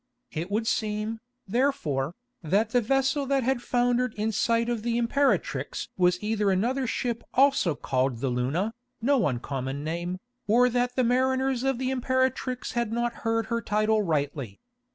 It would seem, therefore, that the vessel that had foundered in sight of the Imperatrix was either another ship also called the Luna, no uncommon name, or that the mariners of the Imperatrix had not heard her title rightly.